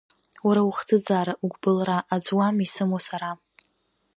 Уара ухӡыӡаара, угәбылра, аӡә уами исымоу сара…